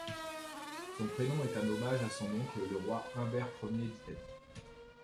Son prénom est un hommage à son oncle le Roi Humbert Ier d'Italie.